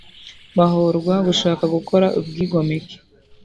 bahorwa gushaka gukora ubwigomeke